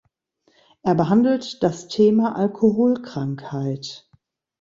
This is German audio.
Er behandelt das Thema Alkoholkrankheit.